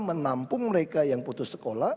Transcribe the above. menampung mereka yang putus sekolah